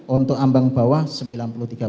untuk ambang bawah sembilan puluh tiga persen